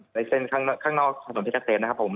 ในเส้นข้างนอกถนนเพชรเกษมนะครับผม